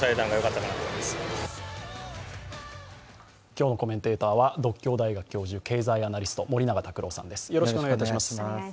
今日のコメンテーターは独協大学教授、経済アナリスト森永卓郎さんです。